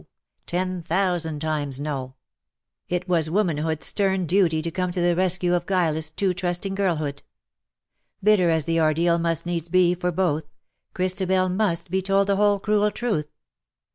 — ten thousand times, no ! It was womanhood's stern duty to come to the rescue of guileless, too trusting girlhood. Bitter as the ordeal must needs be for both, Christabel must be told the whole cruel truth.